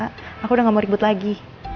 aku udah gak mau ribut lagi